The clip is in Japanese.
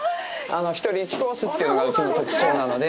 １人１コースというのが、うちの特徴なので。